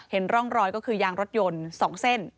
เห็นร่องรอยก็คือยางรถยนต์๒เส้น